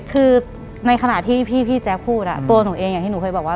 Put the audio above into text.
คือในขณะที่พี่แจ๊คพูดตัวหนูเองอย่างที่หนูเคยบอกว่า